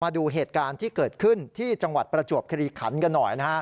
มาดูเหตุการณ์ที่เกิดขึ้นที่จังหวัดประจวบคิริขันกันหน่อยนะฮะ